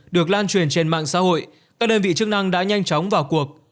được lan truyền trên mạng xã hội các đơn vị chức năng đã nhanh chóng vào cuộc